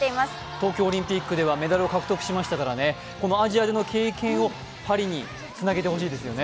東京オリンピックではメダルを獲得しましたからね、このアジアでの経験をパリにつなげてほしいですよね。